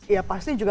ya pasti juga